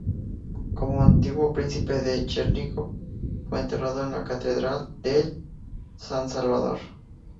Como antiguo príncipe de Chernígov, fue enterrado en la Catedral del San Salvador.